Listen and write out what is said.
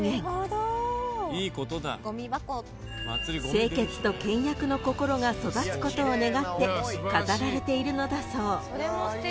［清潔と倹約の心が育つことを願って飾られているのだそう］